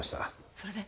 それで？